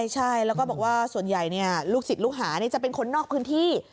ใช่แล้วก็บอกว่าส่วนใหญ่ลูกศิษย์ลูกหาจะเป็นคนนอกพื้นที่